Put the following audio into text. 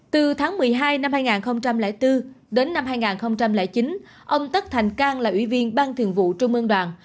từ tháng một mươi hai năm hai nghìn bốn đến năm hai nghìn chín ông tất thành cang là ủy viên ban thường vụ trung ương đoàn